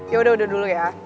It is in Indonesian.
yaudah udah dulu ya